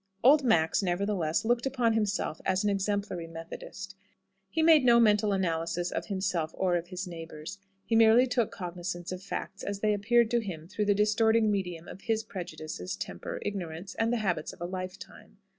Old Max, nevertheless, looked upon himself as an exemplary Methodist. He made no mental analyses of himself or of his neighbours. He merely took cognisance of facts as they appeared to him through the distorting medium of his prejudices, temper, ignorance, and the habits of a lifetime.